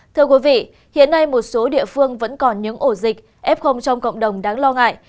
thưa quý vị hiện nay một số địa phương vẫn còn những ổ dịch f trong cộng đồng đáng lo ngại